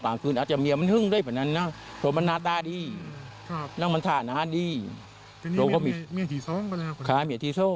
ค่ะเมียถี่ส้ม